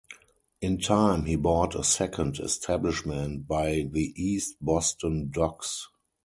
In time, he bought a second establishment by the East Boston docks.